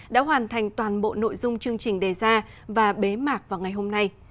đã hoàn thành toàn bộ nội dung chương trình đề ra và bế mạc vào ngày hôm nay